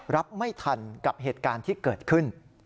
รับไม่ทันกับเหตุการณ์ที่เกิดขึ้น